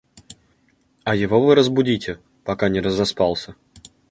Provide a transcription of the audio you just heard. А его вы разбудите, пока не разоспался.